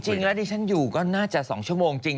จริงแล้วดิฉันอยู่ก็น่าจะ๒ชั่วโมงจริง